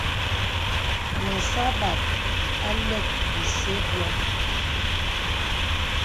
Yì sâbāt à lək bìsə bìoŋ.